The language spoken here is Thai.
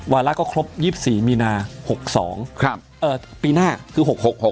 ระก็ครบ๒๔มีนา๖๒ปีหน้าคือ๖๖